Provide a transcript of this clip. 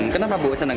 kenapa bu senang